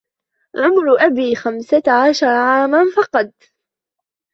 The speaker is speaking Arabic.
عمر أبي خمسةَ عشر عامًا فقط.